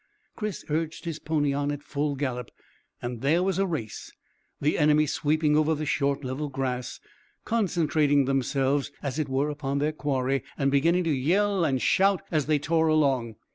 Chris urged his pony on at full gallop, and there was a race, the enemy sweeping over the short level grass, concentrating themselves as it were upon their quarry, and beginning to yell and shout as they tore along.